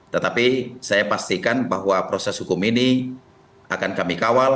tetapi saya pastikan bahwa proses hukum ini akan kami kawal